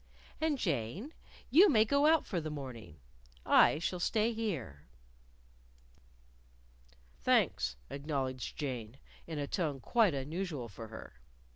"And, Jane, you may go out for the morning. I shall stay here." "Thanks," acknowledged Jane, in a tone quite unusual for her.